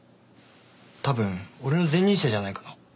多分俺の前任者じゃないかな。